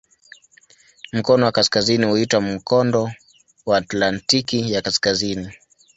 Mkono wa kaskazini huitwa "Mkondo wa Atlantiki ya Kaskazini".